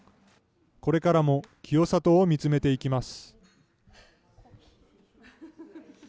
これからも清里を見つめていきます。